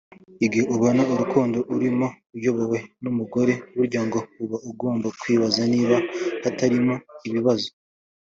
Igihe ubona urukundo urimo ruyobowe n’umugore burya ngo uba ugomba kwibaza niba hatarimo ibibazo